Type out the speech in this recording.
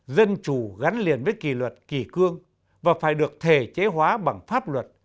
dân chủ gắn liền với kỳ luật kỳ cương và phải được thể chế hóa bằng pháp luật